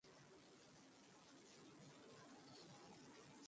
না, না, আমায় ভয় লাগে।